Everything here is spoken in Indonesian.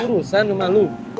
urusan sama lu